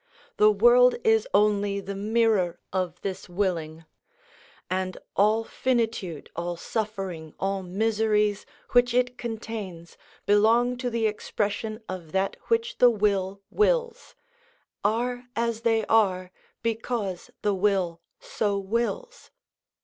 The world is only the mirror of this willing; and all finitude, all suffering, all miseries, which it contains, belong to the expression of that which the will wills, are as they are because the will so wills.